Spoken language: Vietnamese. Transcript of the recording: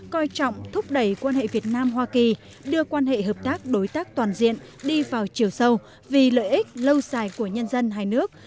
coi trọng thúc đẩy quan hệ việt nam hoa kỳ đưa quan hệ hợp tác đối tác toàn diện đi vào chiều sâu vì lợi ích lâu dài của nhân dân hai nước